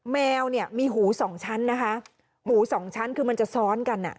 แมวมีหู๒ชั้นนะคะหู๒ชั้นคือมันจะซ้อนกัน